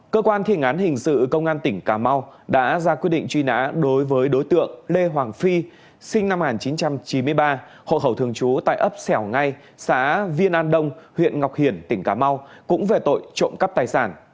công an huyện cái nước của tỉnh cà mau đã ra quyết định truy nã đối với đối tượng lê hoàng phi sinh năm một nghìn chín trăm chín mươi ba hộ khẩu thường trú tại ấp xẻo ngay xã viên an đông huyện ngọc hiển tỉnh cà mau cũng về tội trộm cắp tài sản